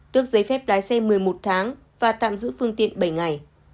tước giấy phép lái xe một mươi một tháng và tạm giữ phương tiện bảy ngày